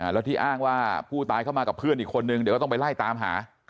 แล้วที่อ้างว่าผู้ตายเข้ามากับเพื่อนอีกคนนึงเดี๋ยวก็ต้องไปไล่ตามหา